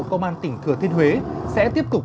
công an tỉnh thừa thiên huế sẽ tiếp tục